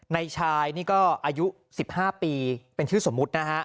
ในชายนี่ก็อายุ๑๕ปีเป็นชื่อสมมุตินะฮะ